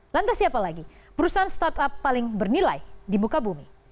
lantas siapa lagi perusahaan startup paling bernilai di muka bumi